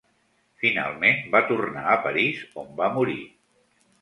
Finalment va tornar a París on va morir.